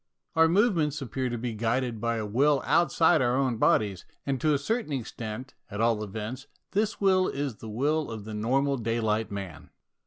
Our movements appear to be guided by a will outside our own bodies, and to a certain extent, at all events, this will is the will of the normal daylight man.